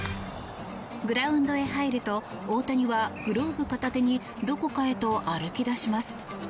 グラウンドへ入ると大谷はグローブ片手にどこかへと歩き出します。